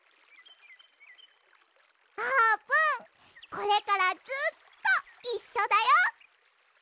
あーぷんこれからずっといっしょだよ。